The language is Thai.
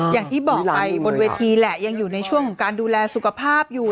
อย่างที่บอกไปบนเวทีแหละยังอยู่ในช่วงของการดูแลสุขภาพอยู่